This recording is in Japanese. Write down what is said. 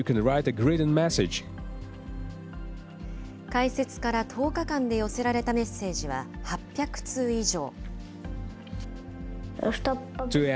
開設から１０日間で寄せられたメッセージは８００通以上。